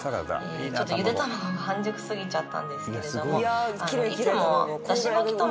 「ちょっとゆで卵が半熟すぎちゃったんですけれども」